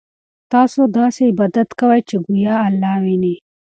تاسو داسې عبادت کوئ چې ګویا الله وینئ.